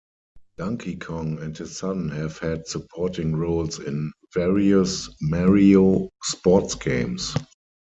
Donkey Kong and his son have had supporting roles in various "Mario" sports games.